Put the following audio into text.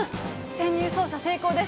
潜入捜査成功です。